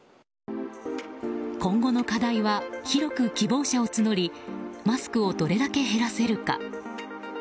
今後の課題は、広く希望者を募りマスクをどれだけ減らせるか。